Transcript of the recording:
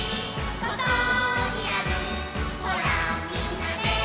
「ここにあるほらみんなで」